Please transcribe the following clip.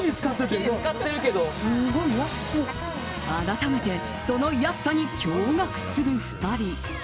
改めてその安さに驚愕する２人。